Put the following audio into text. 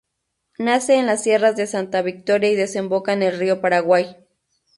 Nace en las sierras de Santa Victoria y desemboca en el río Paraguay.